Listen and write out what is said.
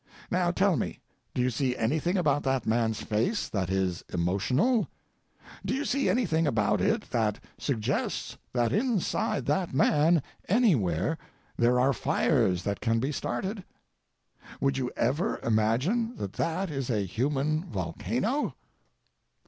Now, tell me, do you see anything about that man's face that is emotional? Do you see anything about it that suggests that inside that man anywhere there are fires that can be started? Would you ever imagine that that is a human volcano?"